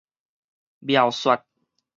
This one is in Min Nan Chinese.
描說